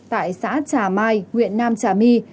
tại xã trà mai huyện nam trà my